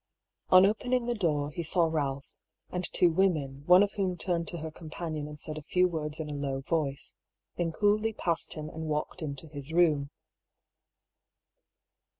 On opening the door, he saw Ralph — and two women, one of whom turned to her companion and said a few words in a low voice, then coolly passed him and walked into his room.